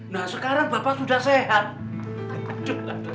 nah sekarang bapak sudah sehat